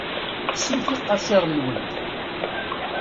Kksemt iqaciren-nwent.